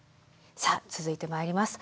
さあ続いてまいります。